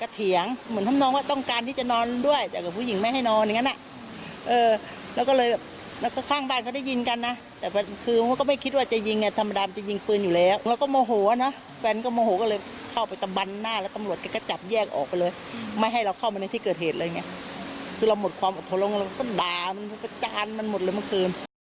คือเราหมดความอดภัลงก็ด่ามันพวกประจานมันหมดเลยเมื่อเคย